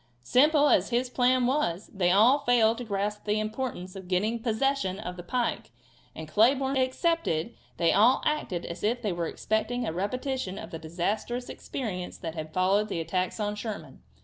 Simple as his plan was, they all failed to grasp the importance of getting possession of the pike and, Cleburne excepted, they all acted as if they were expecting a repetition of the disastrous experience that had followed the attacks on Sherman.